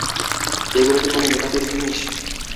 এগুলা কি কোনো মেকাপের জিনিস?